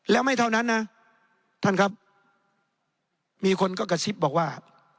แล้วไม่เท่านั้นนะท่านครับมีคนก็กระซิบบอกว่า